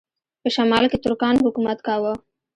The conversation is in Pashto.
په شمال کې ترکانو حکومت کاوه.